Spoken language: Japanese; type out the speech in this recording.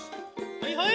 はいはい。